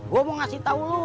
gue mau ngasih tau lo